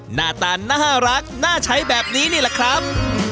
หน้าตาน่ารักน่าใช้แบบนี้นี่แหละครับ